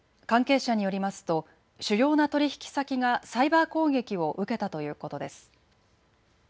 関係者によりますと主要な取引先がサイバー攻撃を受けたということです。